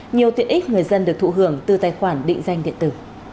nhiều tiện ích người dân được thụ hưởng từ tài khoản định danh điện tử